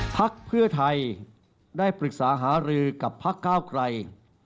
พักเพื่อไทยได้ปรึกษาหารือกับพักก้าวไกร